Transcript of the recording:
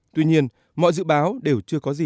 tuy nhiên mọi dự báo đều chưa có gì